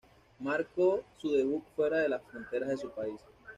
Marcó su debut fuera de las fronteras de su país.